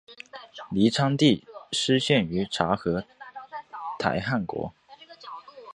高昌地区失陷于察合台汗国。